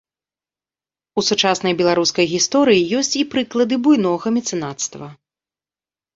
У сучаснай беларускай гісторыі ёсць і прыклады буйнога мецэнацтва.